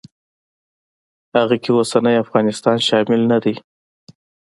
هغه کې اوسنی افغانستان شامل نه دی.